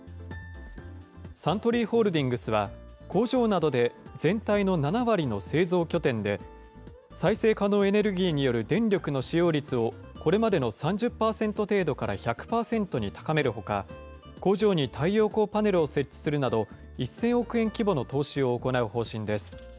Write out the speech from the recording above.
サントリーホールディングスは、工場などで全体の７割の製造拠点で、再生可能エネルギーによる電力の使用率を、これまでの３０％程度から１００％に高めるほか、工場に太陽光パネルを設置するなど、１０００億円規模の投資を行う方針です。